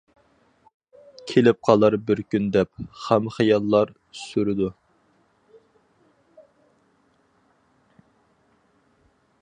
كېلىپ قالار بىر كۈن دەپ، خام خىياللار سۈرىدۇ.